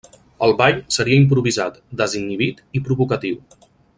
El ball seria improvisat, desinhibit i provocatiu.